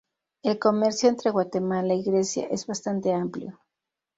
El comercio entre Guatemala y Grecia es bastante amplio.